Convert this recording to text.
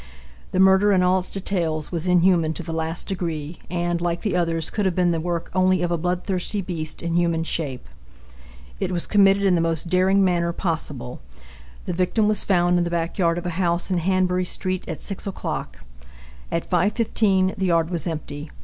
The murder in all its details was inhuman to the last degree, and, like the others, could have been the work only of a bloodthirsty beast in human shape. It was committed in the most daring manner possible. The victim was found in the back yard of a house in Hanbury street at 6 o'clock. At 5:15 the yard was empty.